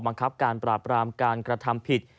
บังคับการปราบรามการกระทำผิด